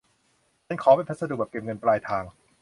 ฉันขอเป็นพัสดุแบบเก็บเงินปลายทาง